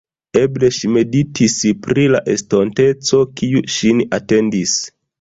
Eble ŝi meditis pri la estonteco, kiu ŝin atendis.